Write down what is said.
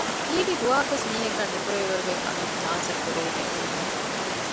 ހީވީ ދުވަހަކުވެސް މީހަކަށް ނުކުރެވޭވަރުގެ ކަމެއް ނާޒްއަށް ކުރެވިގެން އުޅުނުހެން